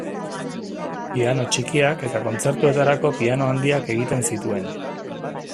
Piano txikiak eta kontzertuetarako piano handiak egin zituen.